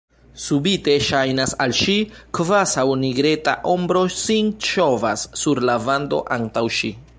Subite ŝajnas al ŝi, kvazaŭ nigreta ombro sin ŝovas sur la vando antaŭ ŝi.